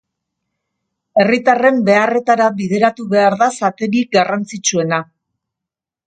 Herritarren beharretara bideratu behar da zatirik garrantzitsuena.